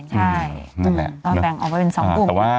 ต้องแบ่งออกมาเป็นสองกุม